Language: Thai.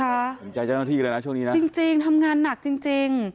เห็นใจเจ้าหน้าที่เลยนะช่วงนี้นะจริงทำงานหนักจริง